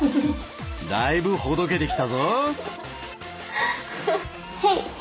だいぶほどけてきたぞ。